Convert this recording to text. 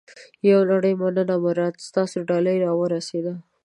یوه نړۍ مننه مراد. ستاسو ډالۍ را ورسېده.